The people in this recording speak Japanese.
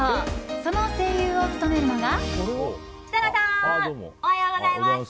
その声優を務めるのが。